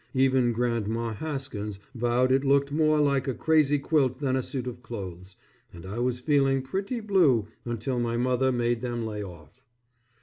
Even Grandma Haskins vowed it looked more like a crazy quilt than a suit of clothes, and I was feeling pretty blue until my mother made them lay off.